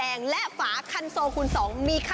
เอาอีก